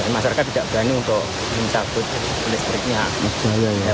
masyarakat tidak berani untuk mencabut listriknya